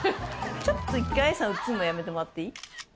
ちょっと一回愛さん写るのやめてもらっていい？